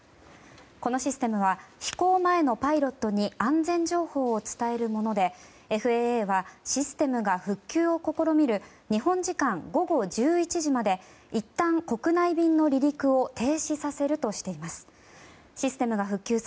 このシステムは飛行前のパイロットに安全情報を伝えるものでＦＡＡはシステムが復旧を試みる日本時間午後１１時までいったん国内便の離陸を停止させるとしています。